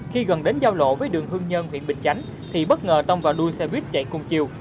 khi gần đến giao lộ với đường hương nhân huyện bình chánh thì bất ngờ tông vào đuôi xe buýt chạy cùng chiều